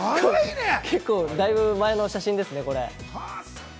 結構、だいぶ前の写真ですね。